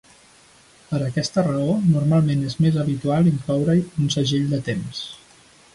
Per aquesta raó, normalment és mes habitual incloure-hi un segell de temps.